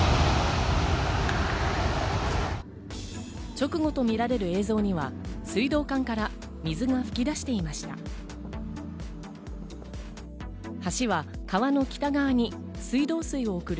直後とみられる映像には水道管から水が噴き出していました。